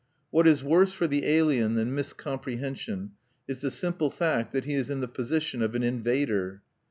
What is worse for the alien than miscomprehension is the simple fact that he is in the position of an invader.